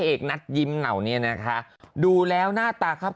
เอกนัดยิ้มเหนาเนี่ยนะคะดูแล้วหน้าตาครับ